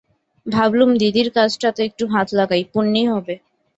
ভাবলুম দিদির কাজটাতে একটু হাত লাগাই, পুণ্যি হবে।